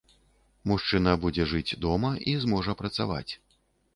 Мужчына будзе жыць дома і зможа працаваць.